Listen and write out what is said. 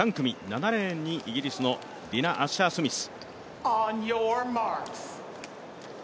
７レーンにイギリスのディナ・アッシャー・スミス。